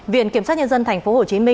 viện kiểm soát nhân dân tp hcm